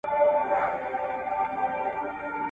که نجونې توکل ولري نو نه به ناهیلې کیږي.